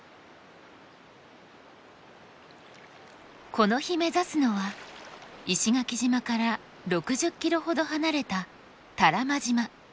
この日目指すのは石垣島から６０ｋｍほど離れた多良間島。